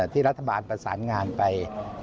ที่รัฐบาลประสานงานไป